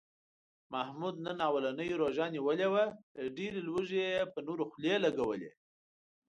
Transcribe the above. محمود نن اولنۍ روژه نیولې وه، له ډېرې لوږې یې په نورو خولې لږولې.